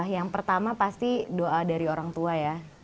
yang pertama pasti doa dari orang tua ya